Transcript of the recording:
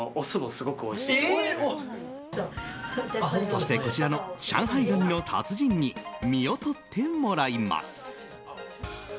そしてこちらの上海ガニの達人に身を取ってもらいます。